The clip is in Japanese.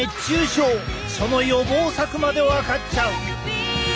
その予防策までわかっちゃう！